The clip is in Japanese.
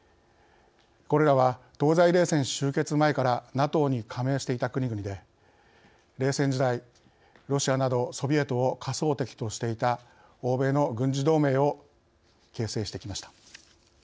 これらは東西冷戦終結前からＮＡＴＯに加盟していた国々で冷戦時代、ロシアなどソビエトを仮想敵としていた欧米の軍事同盟を形成してきました。